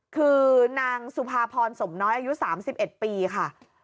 คือนางสุภาพรสมน้อยอายุ๓๑ปีค่ะ